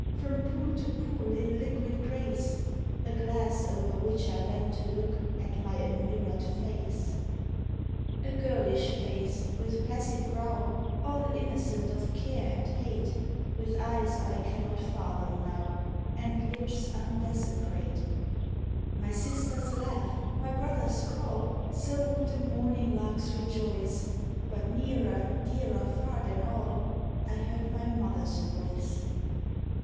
From pool to pool, in liquid grace, A glass o'er which I bent to look At my enmirrored face — 122 "THE HARLOTS WAKENING A girlish face, with placid brow All innocent of care and hate, — With eyes I cannot fathom now And lips iindesecrate. My sister's laugh, my brother's call — So would the morning larks rejoice I But nearer, dearer far than all, I heard my mother's voice.